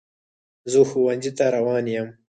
زه ښوونځي ته روان یم.